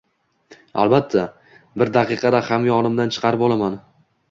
Albatta. Bir daqiqada hamyonimdan chiqarib olaman.